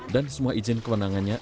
dan semua izin kewenangannya